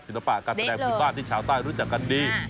ปะการแสดงพื้นบ้านที่ชาวใต้รู้จักกันดี